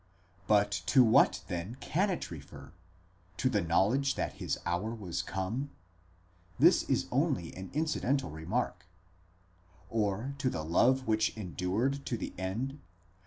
But to what then can it refer? to the knowledge that his hour was come? this is only an incidental remark; or to the love which endured to the end?